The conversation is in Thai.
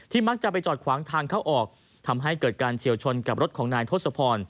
มักจะไปจอดขวางทางเข้าออกทำให้เกิดการเฉียวชนกับรถของนายทศพร